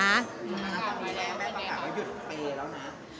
แล้วแม่ต่างว่าหยุดเปย์แล้วนะ